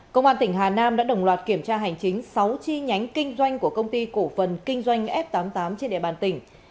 công an tỉnh hà nam đã đồng loạt kiểm tra hành chính sáu chi nhánh kinh doanh của công ty cổ phần kinh doanh f tám mươi tám trên địa bàn tỉnh